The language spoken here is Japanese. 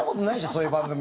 そういう番組。